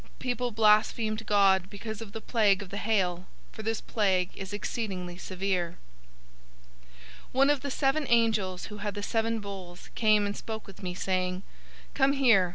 People blasphemed God because of the plague of the hail, for this plague is exceedingly severe. 017:001 One of the seven angels who had the seven bowls came and spoke with me, saying, "Come here.